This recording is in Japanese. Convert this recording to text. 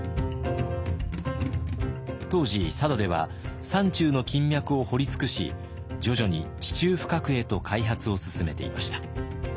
当時佐渡では山中の金脈を掘り尽くし徐々に地中深くへと開発を進めていました。